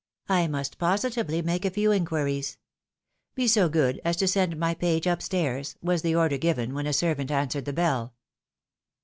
I must positively make a few inquiries. Be so good as to send my page up stairs," was the order given when a servant answered the bell.